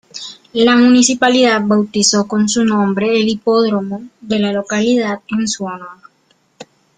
La Municipalidad bautizó con su nombre el hipódromo de la localidad en su honor.